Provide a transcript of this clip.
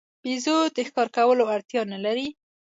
بیزو د ښکار کولو اړتیا نه لري.